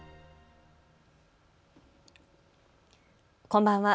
こんばんは。